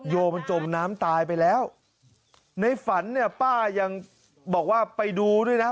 โยมันจมน้ำตายไปแล้วในฝันเนี่ยป้ายังบอกว่าไปดูด้วยนะ